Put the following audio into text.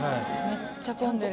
めっちゃ混んでる。